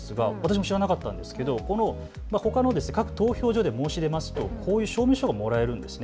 私も知らなかったんですけど各投票所で申し出ますとこういう証明書がもらえるんです。